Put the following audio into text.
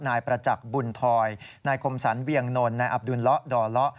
นายประจักษ์บุญทอยนายคมสรรเวียงนนนายอับดุลละดอเลาะ